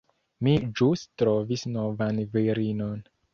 Mi ĵus trovis novan virinon.